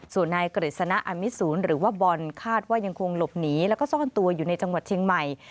ส่วนนายกฤษณะอมิสูรหรือว่าบอลคาดว่ายังคงหลบหนีแล้วก็ซ่อนตัวอยู่ในจังหวัดเชียงใหม่